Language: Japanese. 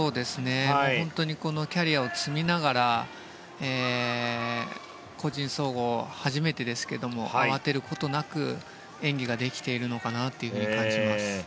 本当にキャリアを積みながら個人総合、初めてですが慌てることなく演技ができているのかなと感じます。